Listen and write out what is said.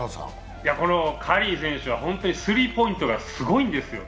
カリー選手は本当にスリーポイントがすごいんですよ。